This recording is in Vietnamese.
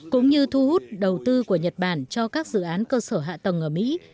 cũng như thu hút đầu tư của nhật bản cho các dự án cơ sở hạ tầng ở mỹ